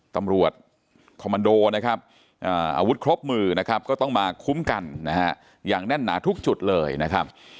ตำรวจคอมมันโดนะครับอาวุธครบมือนะครับก็ต้องมาคุ้มกันนะฮะอย่างแน่นหนาทุกจุดเลยนะครับ